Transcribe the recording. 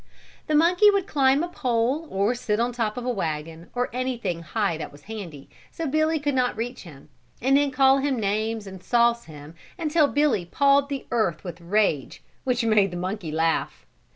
The monkey would climb a pole or sit on top of a wagon, or anything high that was handy, so Billy could not reach him and then call him names and sauce him until Billy pawed the earth with rage, which made the monkey laugh.